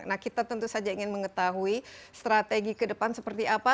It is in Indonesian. nah kita tentu saja ingin mengetahui strategi ke depan seperti apa